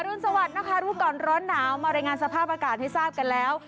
รุนสวัสดิ์นะคะรู้ก่อนร้อนหนาวมารายงานสภาพอากาศให้ทราบกันแล้ว